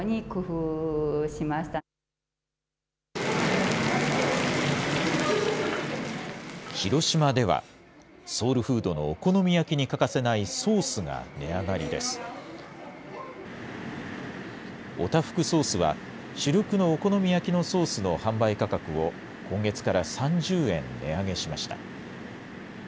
オタフクソースは、主力のお好み焼きのソースの販売価格を、今月から３０円値上げしました。